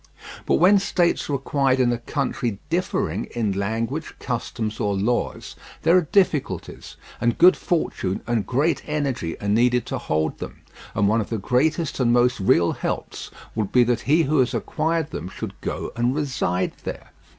But when states are acquired in a country differing in language, customs, or laws, there are difficulties, and good fortune and great energy are needed to hold them, and one of the greatest and most real helps would be that he who has acquired them should go and reside there.